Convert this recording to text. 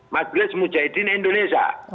majlis mujahidin indonesia